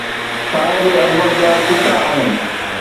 صاحبِ عظمت جا قصا آهن